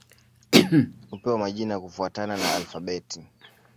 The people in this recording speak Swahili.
Hupewa majina kufuatana na alfabeti.